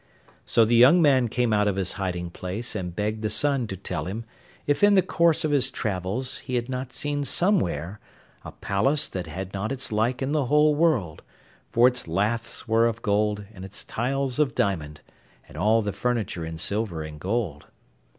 So the young man came out from his hiding place and begged the sun to tell him if in the course of his travels he had not seen somewhere a palace that had not its like in the whole world, for its laths were of gold and its tiles of diamond, and all the furniture in silver and gold.